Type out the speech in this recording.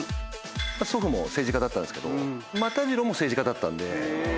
祖父も政治家だったんですけど又次郎も政治家だったんで。